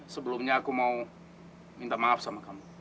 sebelumnya aku mau minta maaf sama kamu